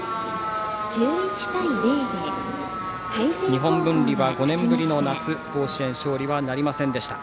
日本文理は５年ぶりの夏甲子園勝利はなりませんでした。